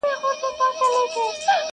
چي تر پام دي ټول جهان جانان جانان سي،